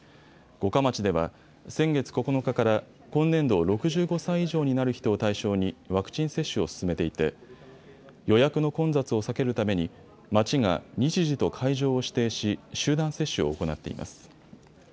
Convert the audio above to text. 五霞町では先月９日から今年度６５歳以上になる人を対象にワクチン接種を進めていて予約の混雑を避けるために町が日時と会場を指定し、集団接種を行っています。